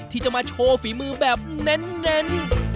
ที่จะมาโชว์ฝีมือแบบเน้น